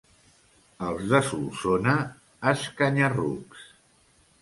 Els de Solsona, escanya-rucs.